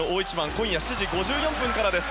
今夜７時５４分からです。